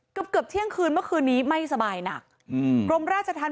เกือบเกือบเที่ยงคืนเมื่อคืนนี้ไม่สบายหนักอืมกรมราชธรรม